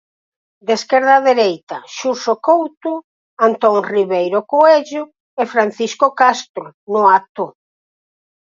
De esquerda a dereita, Xurxo Couto, Antón Riveiro Coello e Francisco Castro no acto.